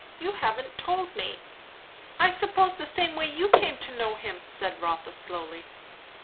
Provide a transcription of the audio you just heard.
you haven't told me." "I suppose, the same way you came to know him," said Rotha slowly.